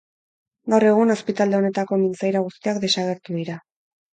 Gaur egun azpitalde honetako mintzaira guztiak desagertu dira.